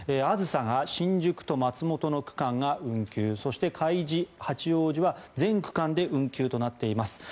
あずさが新宿と松本の区間が運休そして、かいじ、はちおうじは全区間で運休となっています。